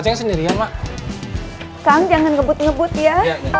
aja sendiri ya ma kang jangan ngebut ngebut ya